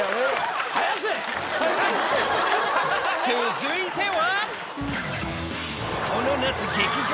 続いては。